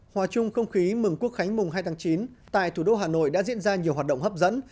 hòa chung không khí mừng quốc khánh mùng hai tháng chín tại thủ đô hà nội đã diễn ra nhiều hoạt động hấp dẫn